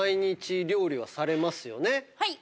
はい！